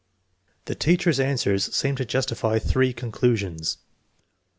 The teachers' answers seem to justify three conclusions: 1.